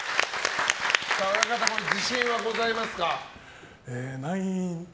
親方自信はございますか。